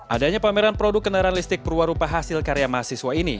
adanya pameran produk kendaraan listrik perwarupa hasil karya mahasiswa ini